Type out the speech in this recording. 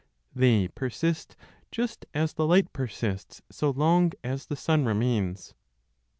They persist, just as the light persists so long as the sun remains.